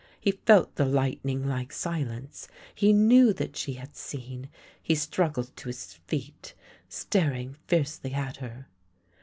He felt the Hghtning like si lence, he knew that she had seen; he struggled to his feet, staring fiercely at her.